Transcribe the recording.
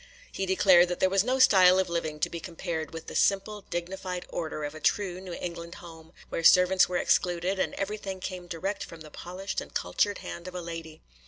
He declared that there was no style of living to be compared with the simple, dignified order of a true New England home, where servants were excluded, and everything came direct from the polished and cultured hand of a lady.